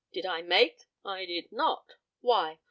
Did I make? I did not. Why?